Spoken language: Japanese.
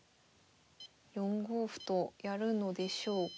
４五歩とやるのでしょうか。